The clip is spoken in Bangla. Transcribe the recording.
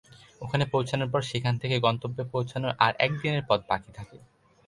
ওখানে পৌঁছানোর পর সেখান থেকে গন্তব্যে পৌঁছানোর আর এক দিনের পথ বাকি থাকে।